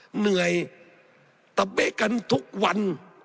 เหนื่อยตะเบ๊ะกันทุกวัน